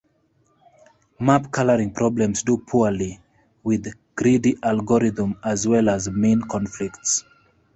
Map coloring problems do poorly with Greedy Algorithm as well as Min-Conflicts.